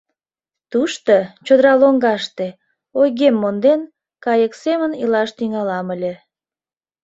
Тушто, чодыра лоҥгаште, ойгем монден, кайык семын илаш тӱҥалам ыле.